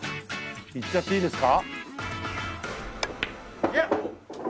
いっちゃっていいですか？